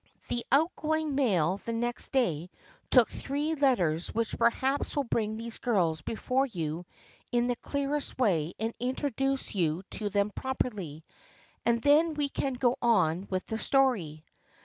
The outgoing mail the next day took three let ters which perhaps will bring these girls before you in the clearest way and introduce you to them properly, and then we can go on with the story.